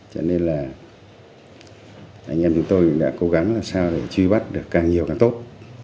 cho nên là anh em chúng tôi cũng đã cố gắng làm sao để truy bắt được càng nhiều càng tốt